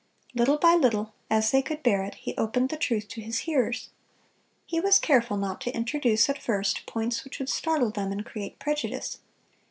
Little by little, as they could bear it, he opened the truth to his hearers. He was careful not to introduce, at first, points which would startle them and create prejudice.